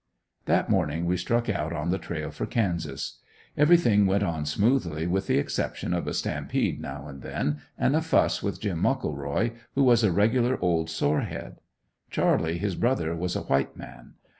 That morning we struck out on the trail for Kansas. Everything went on smoothly with the exception of a stampede now and then and a fuss with Jim Muckleroy, who was a regular old sore head. Charlie, his brother was a white man.